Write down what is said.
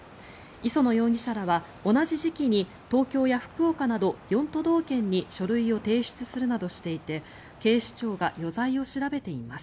磯野容疑者らは、同じ時期に東京や福岡など４都道県に書類を提出するなどしていて警視庁が余罪を調べています。